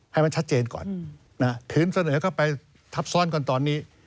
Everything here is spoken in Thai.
ให้มันชัดเจนก่อนถืนเสนอก็ทับซ่อนก่อนตอนนี้